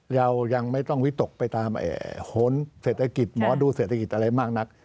เรายังไม่ต้องวิตกไปตามโหนเศรษฐกิจหมอดูเศรษฐกิจอะไรมากนัก